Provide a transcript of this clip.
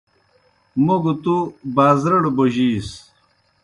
موْ گہ تُوْ بازرَڑ بوجِیس۔